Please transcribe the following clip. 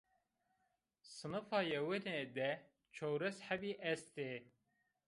Sinifa yewine de çewres hebî est ê